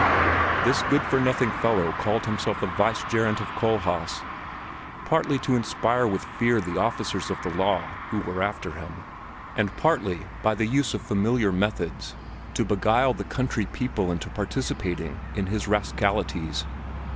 This good for nothing fellow called himself a vicegerent of Kohlhaas, partly to inspire with fear the officers of the law who were after him, and partly, by the use of familiar methods, to beguile the country people into participating in his rascalities.